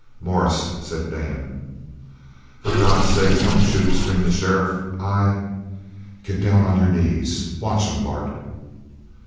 "Morris!" said Dan. "For God's sake, don't shoot!" screamed the sheriff. "I " "Git down on your knees! Watch him, Bart!"